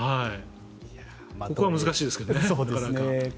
ここは難しいですけどね